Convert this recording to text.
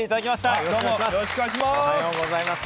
よろしくお願いします！